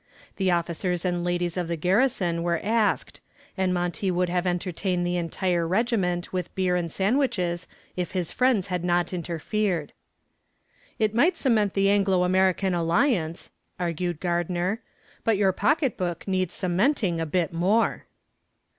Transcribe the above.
The officers and ladies of the garrison were asked, and Monty would have entertained the entire regiment with beer and sandwiches if his friends had not interfered. "It might cement the Anglo American alliance," argued Gardner, "but your pocketbook needs cementing a bit more."